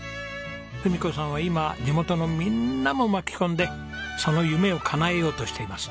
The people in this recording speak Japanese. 郁子さんは今地元のみんなも巻き込んでその夢をかなえようとしています。